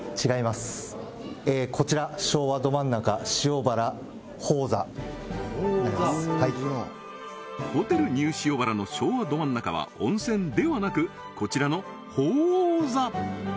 こちらホテルニュー塩原の昭和ど真ん中は温泉ではなくこちらの鳳凰座